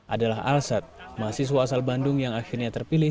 adalah alsat mahasiswa asal bandung yang akhirnya terpilih